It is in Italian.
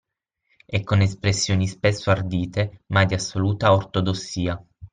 E con espressioni spesso ardite ma di assoluta ortodossia.